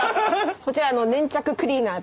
こちら。